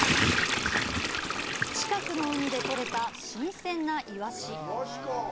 近くの海で取れた新鮮なイワシ。